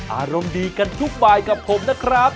อารมณ์ดีกันทุกบายกับผมนะครับ